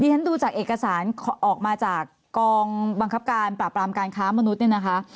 ฉันดูจากเอกสารออกมาจากกองบังคับการปราบรามการค้ามนุษย์เนี่ยนะคะ